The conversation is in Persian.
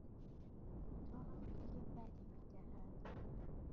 اتاقم بوی بدی می دهد.